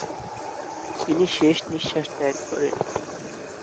তিনি শেষনিঃশ্বাস ত্যাগ করেন।